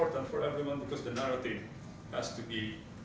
jadi penyelenggaraan uang di negara ini adalah sebu